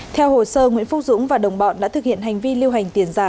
theo hồ sơ nguyễn phúc dũng và đồng bọn đã thực hiện hành vi lưu hành tiền giả